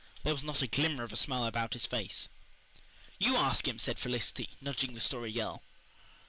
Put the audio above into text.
There was not a glimmer of a smile about his face. "You ask him," said Felicity, nudging the Story Girl.